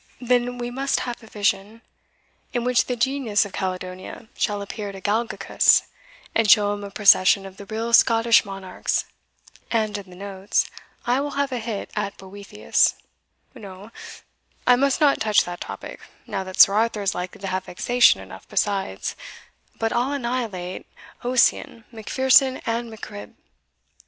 Then we must have a vision in which the Genius of Caledonia shall appear to Galgacus, and show him a procession of the real Scottish monarchs: and in the notes I will have a hit at Boethius No; I must not touch that topic, now that Sir Arthur is likely to have vexation enough besides but I'll annihilate Ossian, Macpherson, and Mac Cribb."